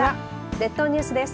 列島ニュースです。